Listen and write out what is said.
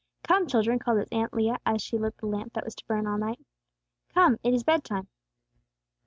"Come, children," called his Aunt Leah, as she lit the lamp that was to burn all night. "Come! It is bed time!"